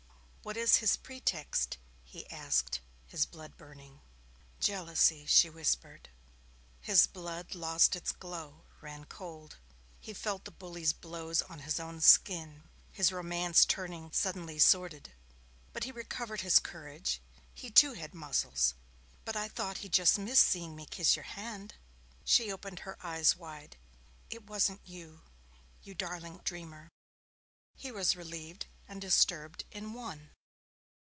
'What is his pretext?' he asked, his blood burning. 'Jealousy,' she whispered. His blood lost its glow, ran cold. He felt the bully's blows on his own skin, his romance turning suddenly sordid. But he recovered his courage. He, too, had muscles. 'But I thought he just missed seeing me kiss your hand.' She opened her eyes wide. 'It wasn't you, you darling old dreamer.' He was relieved and disturbed in one.